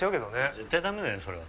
絶対ダメだよそれは。